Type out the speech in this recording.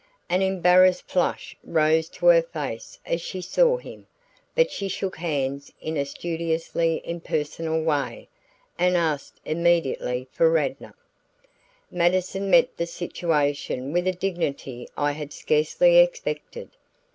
An embarrassed flush rose to her face as she saw him, but she shook hands in a studiously impersonal way and asked immediately for Radnor. Mattison met the situation with a dignity I had scarcely expected.